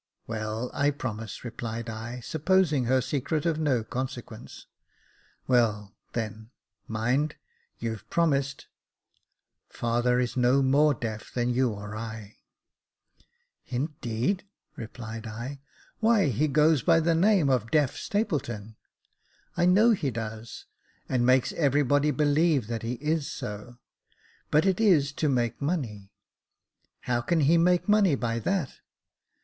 "Well, I promise," replied I, supposing her secret of no consequence. " Well, then — mind — you've promised. Father is no more deaf than you or I." "Indeed 1 " replied I; " why he goes by the name of Deaf Stapleton ?"" I know he does, and makes everybody believe that he is so ; but it is to make money." " How can he make money by that